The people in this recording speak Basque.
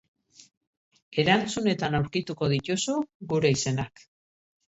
Erantzunetan aurkituko dituzu gure izenak.